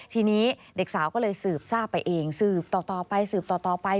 ทีนี้เด็กสาวก็เลยสืบทราบไปเองสืบต่อไป